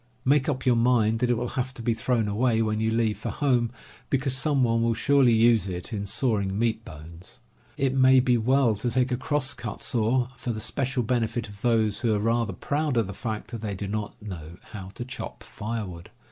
Make up your mind that it will have to be thrown away when you leave for home, because some one will surely use it in sawing meat bones. It may be well to take a crosscut saw for the special benefit of those who are rather proud of the fact that they do not know how to chop firewood.